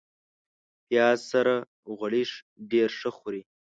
پیاز سره غوړي ډېر ښه خوري